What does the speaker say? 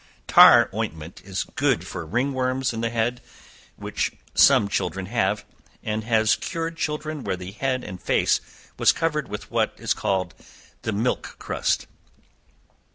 Tar ointment is good for ringworms in the head, which some children have, and has cured children where the head and face was covered with what is called the "milk crust."